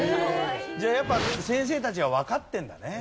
じゃあやっぱ先生たちはわかってるんだね。